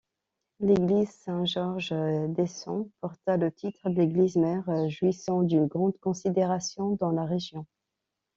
L’église Saint-Georges d’Eysson porta le titre d’église-mère, jouissant d’une grande considération dans la région.